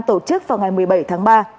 tổ chức vào ngày một mươi bảy tháng ba